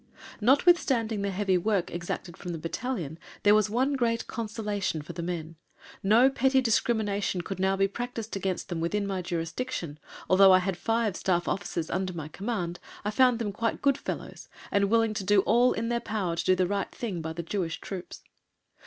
Notwithstanding the heavy work exacted from the battalion, there was one great consolation for the men. No petty discrimination could now be practised against them within my jurisdiction, and although I had five Staff Officers under my command, I found them quite good fellows, and willing to do all in their power to do the right thing by the Jewish troops.